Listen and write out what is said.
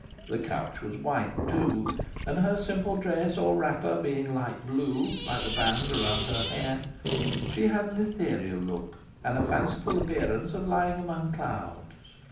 The couch was white too; and her simple dress or wrapper being light blue, like the band around her hair, she had an ethereal look, and a fanciful appearance of lying among clouds.